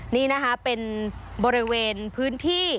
นี่นะคะเป็นบริเวณพื้นที่